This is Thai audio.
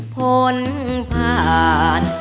พ้นผ่าน